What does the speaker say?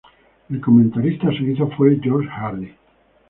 El comentarista suizo fue Georges Hardy.